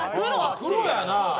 黒やな！